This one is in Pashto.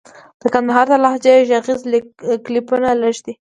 د کندهار د لهجې ږغيز کليپونه لږ دي.